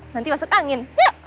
nanti masuk angin